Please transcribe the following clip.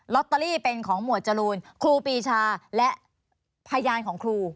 ตเตอรี่เป็นของหมวดจรูนครูปีชาและพยานของครู